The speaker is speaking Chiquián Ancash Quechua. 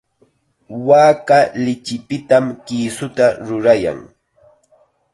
Waaka lichipitam kisuta rurayan.